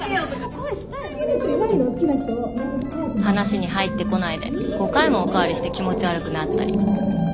話に入ってこないで５回もお代わりして気持ち悪くなったり。